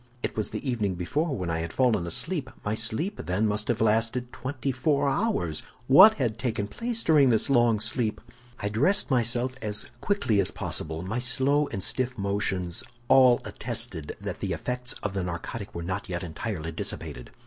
It was the evening before when I had fallen asleep; my sleep, then, must have lasted twenty four hours! What had taken place during this long sleep? "I dressed myself as quickly as possible; my slow and stiff motions all attested that the effects of the narcotic were not yet entirely dissipated.